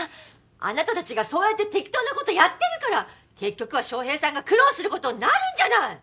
あなたたちがそうやって適当なことやってるから結局は翔平さんが苦労することになるんじゃない！